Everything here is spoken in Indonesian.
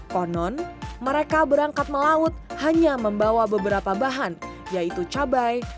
konon mereka berangkat melaut hanya membawa beberapa bahan yaitu cabai